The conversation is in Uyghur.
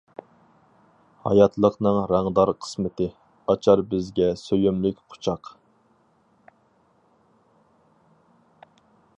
ھاياتلىقنىڭ رەڭدار قىسمىتى، ئاچار بىزگە سۆيۈملۈك قۇچاق.